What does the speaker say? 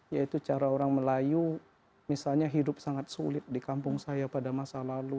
yaitu cara orang melayu misalnya hidup sangat sulit di kampung saya pada masa lalu